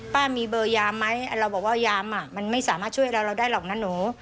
มีเบอร์ยามไหมเราบอกว่ายามมันไม่สามารถช่วยเราเราได้หรอกนะหนู